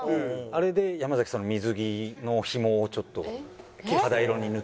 あれで山崎さんの水着のひもをちょっと肌色に塗って。